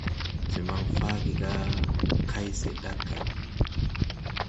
Se man faage ga kay se da ga.